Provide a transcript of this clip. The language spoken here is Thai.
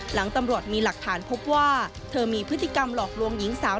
หลังตำรวจมีหลักฐานพบว่าเธอมีพฤติกรรมหลอกลวงหญิงสาว